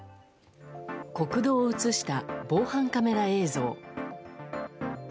国道を映した防犯カメラ映像。